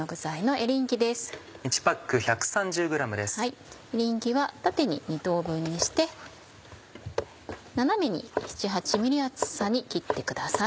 エリンギは縦に２等分にして斜めに７８ｍｍ厚さに切ってください。